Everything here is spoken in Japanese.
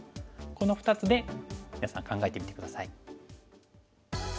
この２つで皆さん考えてみて下さい。